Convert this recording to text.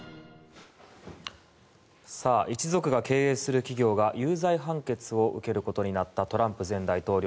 一族が経営する企業が有罪判決を受けることになったトランプ前大統領。